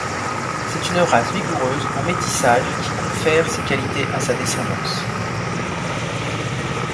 C'est une race vigoureuse en métissage qui confère ses qualités à sa descendance.